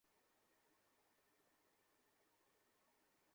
এরপর ষোড়শ সংশোধনীর বৈধতা চ্যালেঞ্জ করে হাইকোর্টে নয়জন আইনজীবী রিট আবেদন করেন।